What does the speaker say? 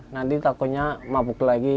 nanti takutnya mabuk lagi